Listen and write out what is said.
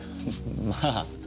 まあ。